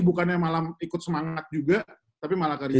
bukannya malah ikut semangat juga tapi malah kerja